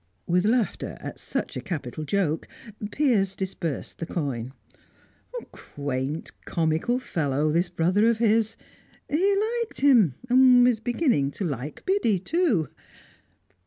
With laughter at such a capital joke, Piers disbursed the coin. Quaint, comical fellow, this brother of his! He liked him, and was beginning to like Biddy too.